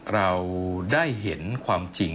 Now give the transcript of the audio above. เราได้เห็นความจริง